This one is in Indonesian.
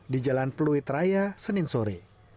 di jalan pluit raya senin sore